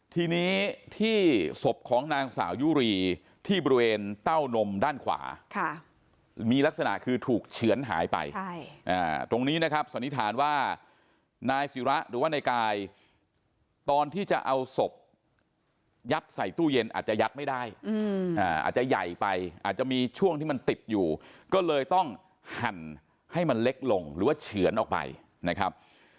ทีนี้ที่ศพของนางสาวยุรีที่บริเวณเต้านมด้านขวามีลักษณะคือถูกเฉือนหายไปตรงนี้นะครับสันนิษฐานว่านายศิระหรือว่านายกายตอนที่จะเอาศพยัดใส่ตู้เย็นอาจจะยัดไม่ได้อาจจะใหญ่ไปอาจจะมีช่วงที่มันติดอยู่ก็เลยต้องหั่นให้มันเล็กลงหรือว่าเฉือนออกไปนะครับ